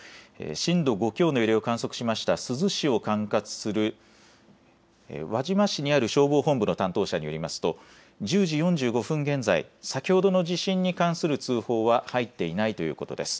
震度５強の揺れを観測しました珠洲市を管轄する輪島市にある消防本部の担当者によりますと１０時４５分現在、先ほどの地震に関する通報は入っていないということです。